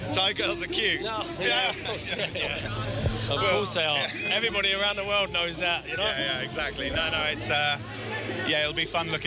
ใช่ใช่มันจะมีความสุขที่ดูวันนี้